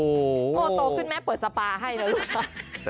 โอ้โหโตขึ้นแม่เปิดสปาให้นะลูกค่ะ